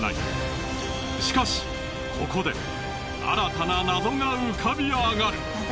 しかしここで新たな謎が浮かび上がる。